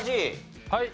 はい。